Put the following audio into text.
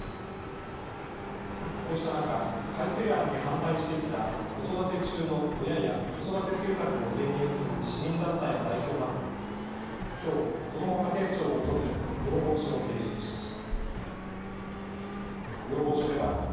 こうした中、改正案に反対してきた子育て中の親や子育て政策を提言する市民団体の代表などがきょう、こども家庭庁を訪れ要望書を提出しました。